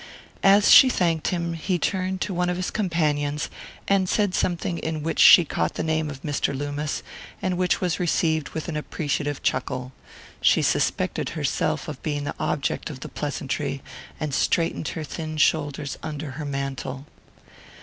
As she thanked him he turned to one of his companions and said something in which she caught the name of Mr. Loomis, and which was received with an appreciative chuckle. She suspected herself of being the object of the pleasantry, and straightened her thin shoulders under her mantle.